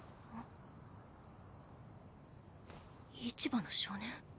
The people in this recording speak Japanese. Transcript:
市場の少年？